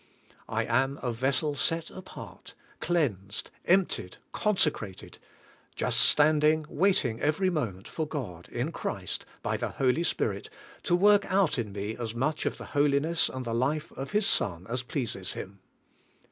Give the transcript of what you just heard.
I am a vessel set apart, cleansed, emptied, consecrated; just standing, waiting every moment for God, in Christ, by the Holy Spirit, to work out in me as much of the holiness and the life of His Son as pleases Him.